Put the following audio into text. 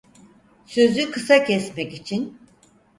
Sözü kısa kesmek için: